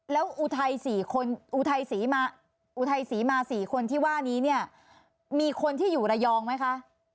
แล้วอุทัย๔คนอุทัยศรีมาอุทัยศรีมา๔คนที่ว่านี้เนี่ยมีคนที่อยู่ระยองไหมคะ